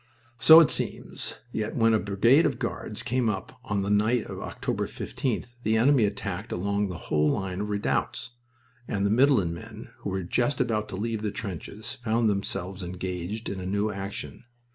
So it seems; yet when a brigade of Guards came up on the night of October 15th the enemy attacked along the whole line of redoubts, and the Midland men, who were just about to leave the trenches, found themselves engaged in a new action.